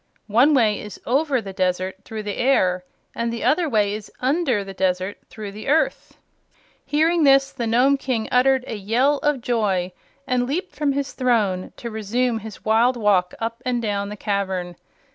"One way is OVER the desert, through the air; and the other way is UNDER the desert, through the earth." Hearing this the Nome King uttered a yell of joy and leaped from his throne, to resume his wild walk up and down the cavern.